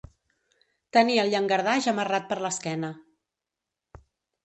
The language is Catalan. Tenir el llangardaix amarrat per l'esquena.